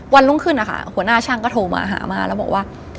วันรุ่งขึ้นนะคะหัวหน้าช่างก็โทรมาหามาแล้วบอกว่า